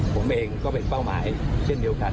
ผมเองก็เป็นเป้าหมายเช่นเดียวกัน